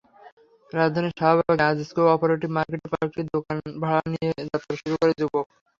রাজধানীর শাহবাগে আজিজ কো-অপারেটিভ মার্কেটে কয়েকটি দোকান ভাড়া নিয়ে যাত্রা শুরু করে যুবক।